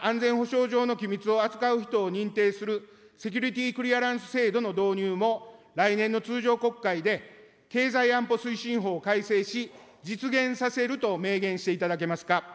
また安全保障上の機密を扱う人を認定するセキュリティ・クリアランス制度の導入も、来年の通常国会で経済安保推進法を改正し、実現させると明言していただけますか。